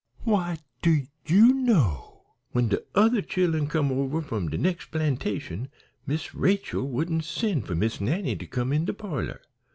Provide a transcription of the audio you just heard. Why, do you know, when de other chillen come over from de nex' plantation Miss Rachel wouldn't send for Miss Nannie to come in de parlor.